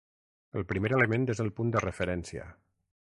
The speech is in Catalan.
El primer element és el punt de referència.